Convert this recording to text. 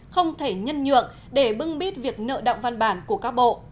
không thể nhân nhượng để bưng bít việc nợ động văn bản của các bộ